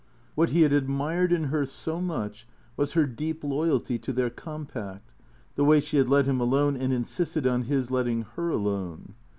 What he had admired in her so much was her deep loyalty to their compact, the way she had let him alone and insisted on his letting her alone.